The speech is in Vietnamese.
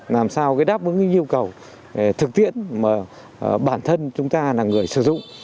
làm sao đáp ứng những yêu cầu thực tiễn mà bản thân chúng ta là người sử dụng